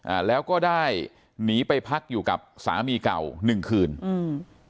อ่าแล้วก็ได้หนีไปพักอยู่กับสามีเก่าหนึ่งคืนอืม